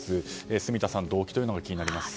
住田さん動機というのが気になります。